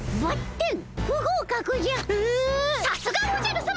さすがおじゃるさま。